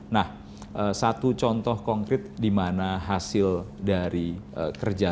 nah satu contoh konkret dimana hasil dari kerjasama ini terjadi